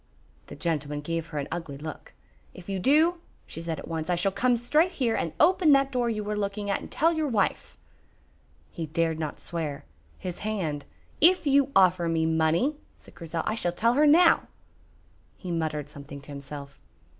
The gentleman gave her an ugly look. "If you do," she said at once, "I shall come straight here and open that door you are looking at, and tell your wife." He dared not swear. His hand "If you offer me money," said Grizel, "I shall tell her now." He muttered something to himself.